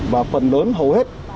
và phần lớn hầu hết